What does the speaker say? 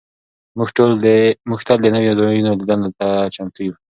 موږ تل د نویو ځایونو لیدلو ته چمتو یو.